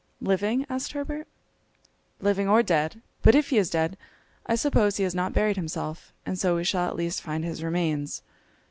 "Living?" asked Herbert. "Living or dead. But if he is dead, I suppose he has not buried himself, and so we shall at least find his remains!"